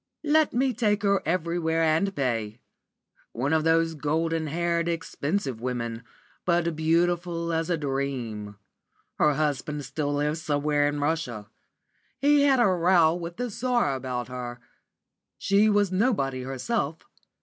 Let me take her everywhere and pay. One of those golden haired, expensive women, but beautiful as a dream. Her husband still lives somewhere in Russia. He had a row with the Czar about her. She was nobody herself.